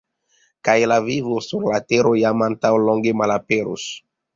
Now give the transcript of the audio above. Kaj la vivo sur la Tero jam antaŭ longe malaperus.